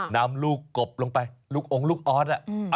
นำลูกกบลงไปลูกองค์ลูกออส